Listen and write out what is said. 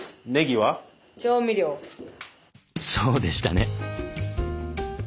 そうでしたね。